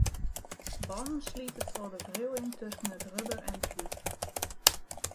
Bannen slite troch de wriuwing tusken it rubber en de dyk.